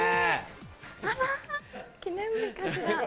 あら記念日かしら。